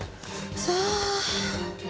さあ。